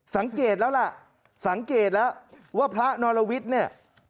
สังเกตแล้วล่ะสังเกตแล้วว่าพระนรวิทย์เนี่ย